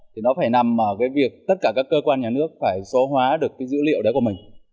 thì nó phải nằm ở việc tất cả các cơ quan nhà nước phải số hóa được dữ liệu đó của mình